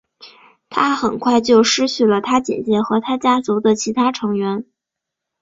他很快就失去了他姐姐和他家族的其他成员。